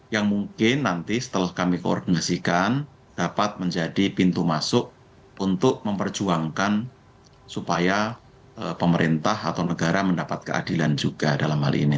yang mungkin nanti setelah kami koordinasikan dapat menjadi pintu masuk untuk memperjuangkan supaya pemerintah atau negara mendapat keadilan juga dalam hal ini